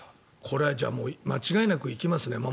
これは、間違いなく行きますね。